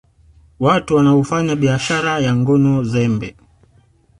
Watu wanaofanya biashara ya ngono zembe